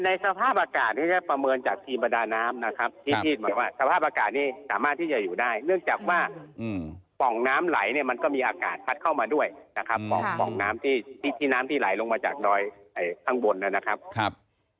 สภาพอากาศก็จะประเมินจากทีมประดาน้ำนะครับที่บอกว่าสภาพอากาศนี้สามารถที่จะอยู่ได้เนื่องจากว่าป่องน้ำไหลเนี่ยมันก็มีอากาศพัดเข้ามาด้วยนะครับของป่องน้ำที่น้ำที่ไหลลงมาจากดอยข้างบนนะครับ